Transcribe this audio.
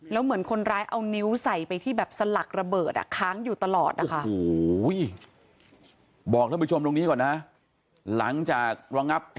แล้วเหมือนคนร้ายเอานิ้วใส่ไปที่แบบสลักระเบิดค้างอยู่ตลอดนะคะ